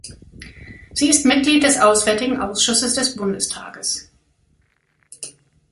Sie ist Mitglied des Auswärtigen Ausschusses des Bundestages.